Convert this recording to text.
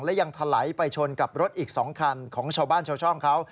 และยังถลายไปชนกับรถอีก๒คันของชาวบ้านชาวช่องเขา